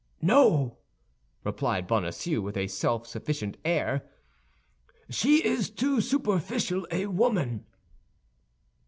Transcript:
"No," replied Bonacieux, with a self sufficient air, "she is too superficial a woman."